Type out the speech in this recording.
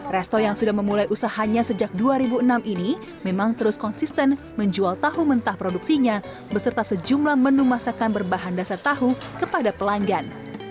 resto yang sudah memulai usahanya sejak dua ribu enam ini memang terus konsisten menjual tahu mentah produksinya beserta sejumlah menu masakan berbahan dasar tahu kepada pelanggan